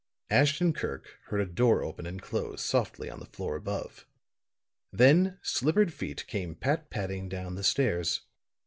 Ashton Kirk heard a door open and close softly on the floor above; then slippered feet came pat patting down the stairs.